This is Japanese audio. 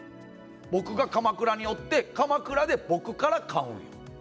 僕が鎌倉におって鎌倉で僕から買うんや。